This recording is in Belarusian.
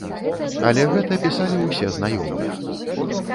Але гэта пісалі ўсе знаёмыя.